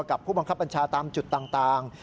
ผู้บังคับบัญชาตามจุดต่าง